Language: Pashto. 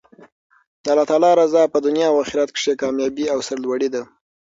د الله تعالی رضاء په دنیا او اخرت کښي کاميابي او سر لوړي ده.